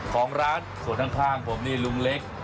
ของร้านส่วนข้างผมนี่ลุงเล็ก